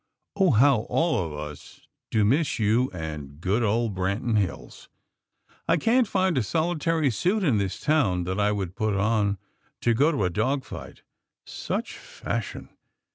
Oh, how all of us do miss you and good old Branton Hills! I can't find a solitary suit in this town that I would put on to go to a dog fight! _Such fashion!